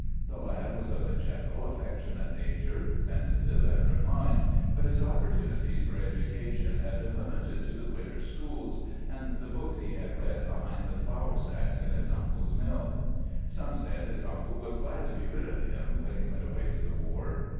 The lad was of a gentle, affectionate nature, sensitive and refined, but his opportunities for education had been limited to the winter schools and the books he had read behind the flour sacks in his uncle's mill. Some said his uncle was glad to be rid of him when he went away to the war.